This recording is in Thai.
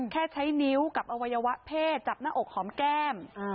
ใช้นิ้วกับอวัยวะเพศจับหน้าอกหอมแก้ม